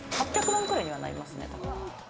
８００万くらいにはなりますね。